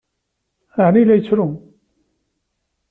Ɛni la yettru?